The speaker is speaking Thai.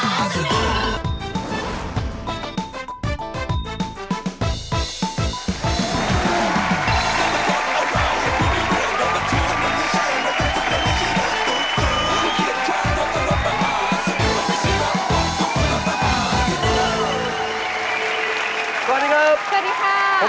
สวัสดีครับสวัสดีค่ะ